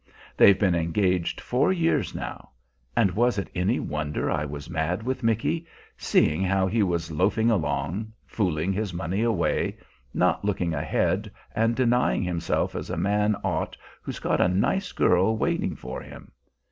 They've been engaged four years now. And was it any wonder I was mad with Micky, seeing how he was loafing along, fooling his money away, not looking ahead and denying himself as a man ought who's got a nice girl waiting for him?